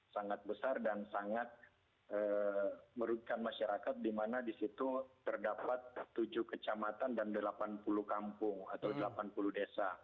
sangat besar dan sangat merugikan masyarakat di mana di situ terdapat tujuh kecamatan dan delapan puluh kampung atau delapan puluh desa